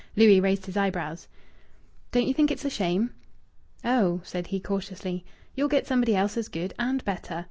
Louis raised his eyebrows. "Don't you think it's a shame?" "Oh," said he cautiously, "you'll get somebody else as good, and better.